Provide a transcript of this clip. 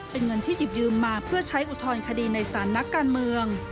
เป็นเงินที่หยิบยืมมาเพื่อใช้อุทธรณคดีในสารนักการเมือง